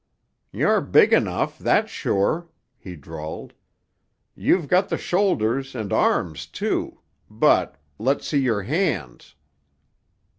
"You're big enough, that's sure," he drawled. "You've got the shoulders and arms, too, but—let's see your hands."